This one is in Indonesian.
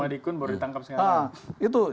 sumadi kun baru ditangkap sekarang